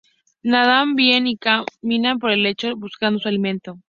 Nadan bien y caminan por el lecho buscando su alimento.